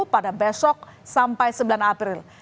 pada besok sampai sembilan april